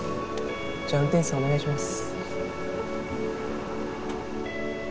じゃあ運転手さんお願いします。